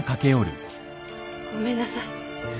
ごめんなさい。